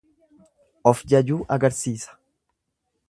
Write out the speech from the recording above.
Of jajuu agarsiisa.